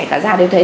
cả già đều thấy